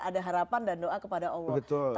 ada harapan dan doa kepada allah